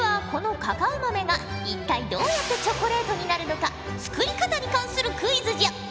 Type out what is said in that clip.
このカカオ豆が一体どうやってチョコレートになるのか作り方に関するクイズじゃ。